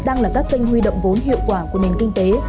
đang là các kênh huy động vốn hiệu quả của nền kinh tế